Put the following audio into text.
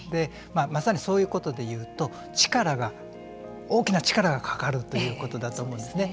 まさにそういうことで言うと力が、大きな力がかかるということだと思うんですね。